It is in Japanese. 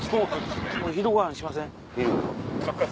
お昼ご飯にしません？